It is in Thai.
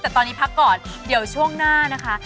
แต่ตอนนี้พักก่อนเดี๋ยวช่วงหน้านะคะ